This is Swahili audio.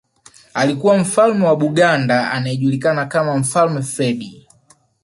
Alikuwa Mfalme wa Buganda anayejulikana kama Mfalme Freddie